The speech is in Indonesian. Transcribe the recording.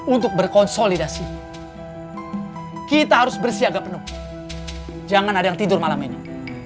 untuk berkonsolidasi kita harus bersiaga penuh jangan ada yang tidur malam ini